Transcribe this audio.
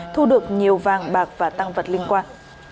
thu được nhiều vàng bạc và tăng vật liên quan